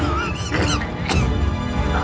dan kembali ke jalan yang benar